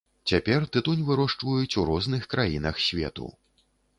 Цяпер тытунь вырошчваюць у розных краінах свету.